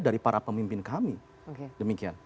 dari para pemimpin kami demikian